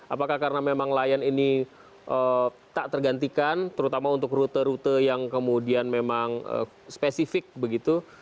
apakah karena memang lion ini tak tergantikan terutama untuk rute rute yang kemudian memang spesifik begitu